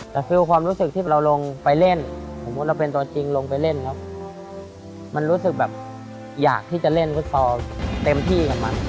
แต่ควรรู้สึกที่เราทักไปเล่นเรามันรู้สึกว่าอยากเล่นตอเต็มที่